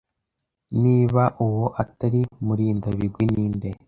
Niba uwo atari Murindabigwi, ninde?